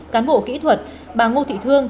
cán bộ kỹ thuật bà ngô thị thương